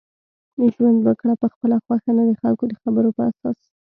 ژوند وکړه په خپله خوښه نه دخلکو دخبرو په اساس